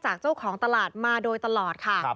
เจ้าของตลาดมาโดยตลอดค่ะ